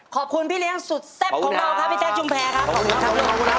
พี่เลี้ยงสุดแซ่บของเราครับพี่แจ๊คชุมแพรครับขอบคุณครับ